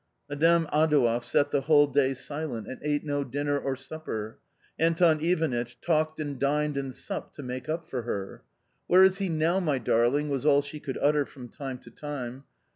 Madame Adouev sat the whole day silent, and ate no dinner or supper. Anton Ivanitch talked and dined and supped to make up for her. "Where is he now, my darling? " was all she could utter from time to time.